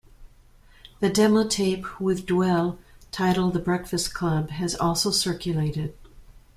A demo tape with Dwele titled "The Breakfast Club" has also circulated.